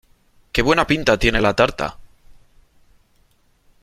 ¡Que buena pinta tiene la tarta!